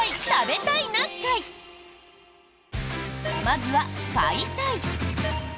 まずは、「買いたい」。